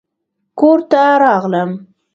کور ته راغلم